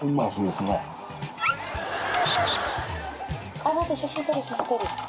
あっ待って写真撮る写真撮る。